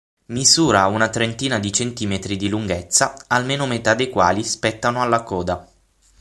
Misura una trentina di centimetri di lunghezza, almeno metà dei quali spettano alla coda.